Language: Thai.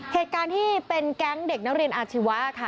เหตุการณ์ที่เป็นแก๊งเด็กนักเรียนอาชีวะค่ะ